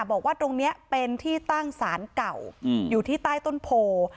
บอกว่าตรงนี้เป็นที่ตั้งศาลเก่าอยู่ที่ใต้ต้นโพ